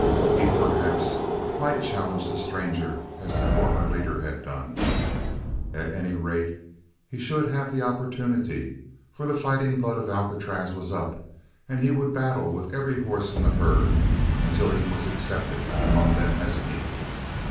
He, perhaps, might challenge the stranger as the former leader had done. At any rate he should have the opportunity, for the fighting blood of Alcatraz was up and he would battle with every horse in the herd until he was accepted among them as an equal.